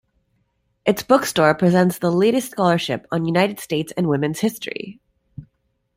Its bookstore presents the latest scholarship on United States and women's history.